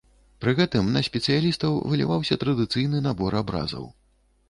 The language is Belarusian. Пры гэтым на спецыялістаў выліваўся традыцыйны набор абразаў.